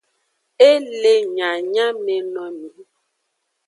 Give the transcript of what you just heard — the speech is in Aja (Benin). E le nyanyamenomi.